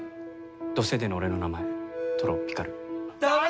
土星での俺の名前トロピカル。